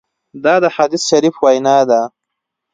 دا د حدیث شریف وینا ده.